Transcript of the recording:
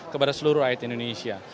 kepada seluruh rakyat indonesia